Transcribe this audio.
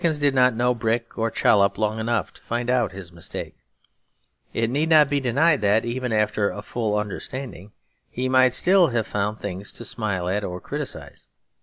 But Dickens did not know Brick or Chollop long enough to find out his mistake. It need not be denied that, even after a full understanding, he might still have found things to smile at or to criticise.